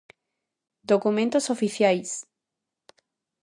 Documentos oficiais: